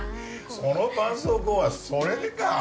その絆創膏はそれでか